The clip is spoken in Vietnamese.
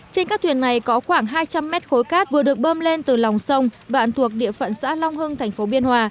trên các thuyền này có khoảng hai trăm linh mét khối cát vừa được bơm lên từ lòng sông đoạn thuộc địa phận xã long hưng thành phố biên hòa